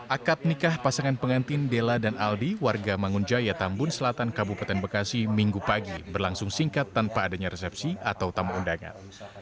akad nikah pasangan pengantin della dan aldi warga mangunjaya tambun selatan kabupaten bekasi minggu pagi berlangsung singkat tanpa adanya resepsi atau tamu undangan